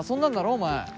お前。